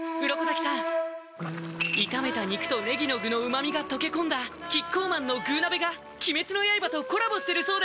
鱗滝さん炒めた肉とねぎの具の旨みが溶け込んだキッコーマンの「具鍋」が鬼滅の刃とコラボしてるそうです